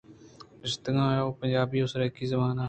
نشتگ ایں ءُ پنجابی ءُ سرائیکی زبان ءَ